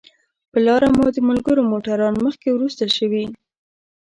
پر لاره مو د ملګرو موټران مخکې وروسته شوي.